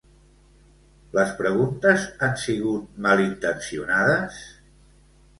Les preguntes han sigut malintencionades?